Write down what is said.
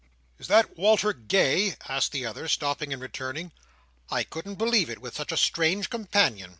"Is that Walter Gay?" said the other, stopping and returning. "I couldn't believe it, with such a strange companion."